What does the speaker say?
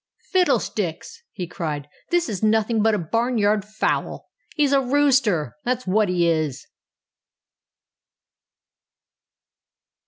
"Fiddlesticks!" he cried. "This is nothing but a barnyard fowl. He's a rooster that's what he is!"